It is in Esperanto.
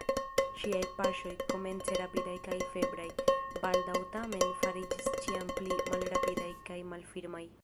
Ŝiaj paŝoj, komence rapidaj kaj febraj, baldaŭ tamen fariĝis ĉiam pli malrapidaj kaj malfirmaj.